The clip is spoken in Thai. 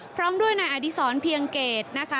พร้อมด้วยนายอดิสรเพียงเกรด